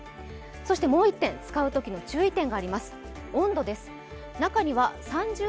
そしてもう１点使うときの注意点があります。